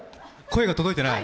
声が届いてない？